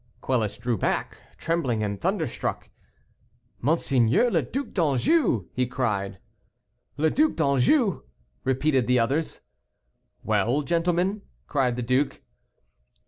Quelus drew back, trembling, and thunderstruck. "Monseigneur le Duc d'Anjou!" he cried. "The Duc d'Anjou!" repeated the others. "Well, gentlemen," cried the duke.